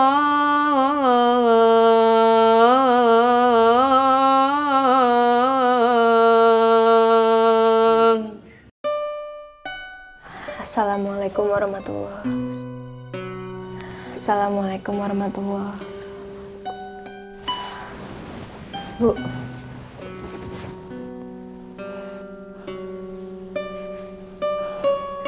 assalamualaikum warahmatullahi wabarakatuh